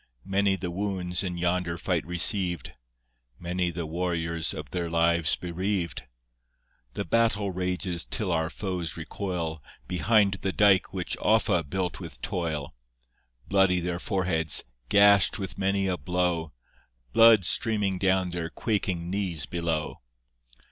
Many the wounds in yonder fight receiv'd! Many the warriors of their lives bereaved! The battle rages till our foes recoil Behind the Dike which Offa built with toil. Bloody their foreheads, gash'd with many a blow, Blood streaming down their quaking knees below.